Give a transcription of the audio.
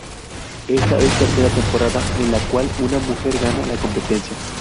Esta es Tercera temporada en la cual una mujer gana la competencia.